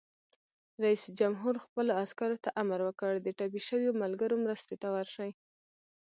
رئیس جمهور خپلو عسکرو ته امر وکړ؛ د ټپي شویو ملګرو مرستې ته ورشئ!